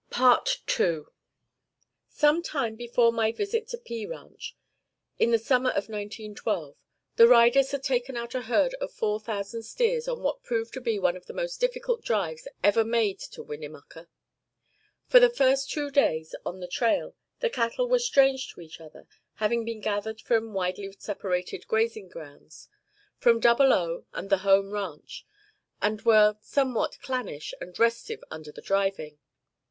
II Some time before my visit to P Ranch, in the summer of 1912, the riders had taken out a herd of four thousand steers on what proved to be one of the most difficult drives ever made to Winnemucca. For the first two days on the trail the cattle were strange to each other, having been gathered from widely separated grazing grounds, from Double O and the Home Ranch, and were somewhat clannish and restive under the driving.